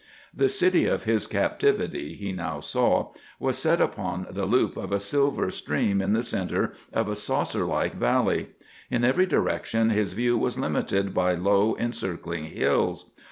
The city of his captivity, he now saw, was set upon the loop of a silver stream in the centre of a saucer like valley. In every direction his view was limited by low, encircling hills.